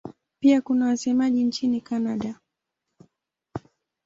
Pia kuna wasemaji nchini Kanada.